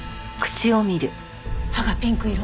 歯がピンク色。